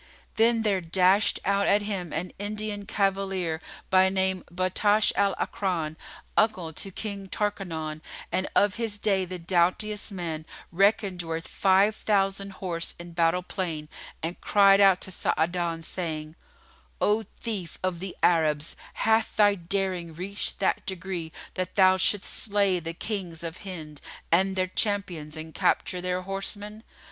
Then there dashed out at him an Indian cavalier, by name Battásh al Akrán,[FN#50] uncle to King Tarkanan and of his day the doughtiest man, reckoned worth five thousand horse in battle plain and cried out to Sa'adan, saying, "O thief of the Arabs, hath thy daring reached that degree that thou shouldst slay the Kings of Hind and their champions and capture their horsemen?